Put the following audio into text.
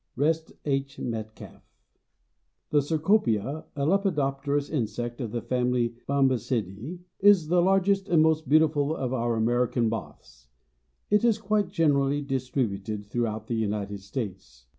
REST H. METCALF. The cecropia, a lepidopterous insect of the family Bombycidiæ, is the largest and most beautiful of our American moths. It is quite generally distributed throughout the United States.